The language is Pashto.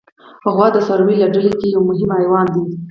غوا د څارویو له ډله کې یو مهم حیوان دی.